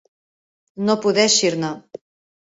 No poder eixir-ne.